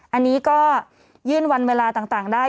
อันนี้ก็ยื่นวันเวลาต่างได้